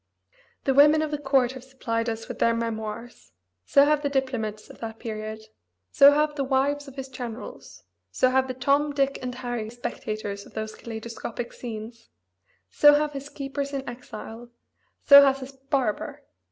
The women of the court have supplied us with their memoirs; so have the diplomats of that period; so have the wives of his generals; so have the Tom Dick and Harry spectators of those kaleidoscopic scenes; so have his keepers in exile; so has his barber.